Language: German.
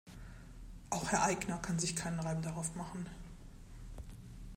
Auch Herr Aigner kann sich keinen Reim darauf machen.